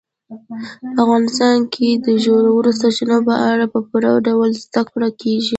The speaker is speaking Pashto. په افغانستان کې د ژورو سرچینو په اړه په پوره ډول زده کړه کېږي.